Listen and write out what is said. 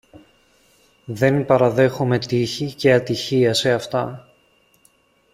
Δεν παραδέχομαι τύχη και ατυχία σε αυτά